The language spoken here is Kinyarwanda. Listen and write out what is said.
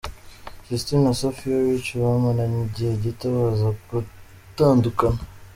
Justin na Sofia Richie bamaranye igihe gito baza gutandukana.